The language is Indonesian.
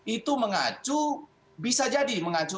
itu mengacu bisa jadi mengacu